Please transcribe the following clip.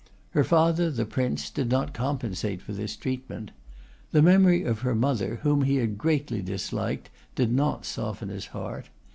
Her father, the Prince, did not compensate for this treatment. The memory of her mother, whom he had greatly disliked, did not soften his heart.